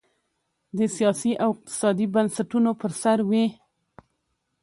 د سیاسي او اقتصادي بنسټونو پر سر وې.